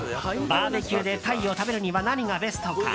バーベキューでタイを食べるには何がベストか。